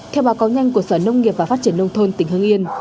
theo báo cáo nhanh của sở nông nghiệp và phát triển nông thôn tỉnh hưng yên